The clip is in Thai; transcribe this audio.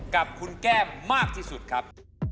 กับคุณแก้มมากที่สุดครับ